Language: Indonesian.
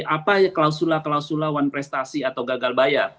apa klausula klausulawan prestasi atau gagal bayar